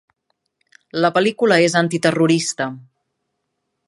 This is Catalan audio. La pel·lícula és antiterrorista.